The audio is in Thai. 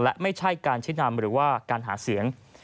และไม่ใช่การชี้นำหรือว่าการหาเสียง